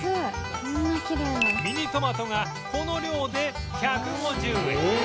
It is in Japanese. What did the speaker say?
ミニトマトがこの量で１５０円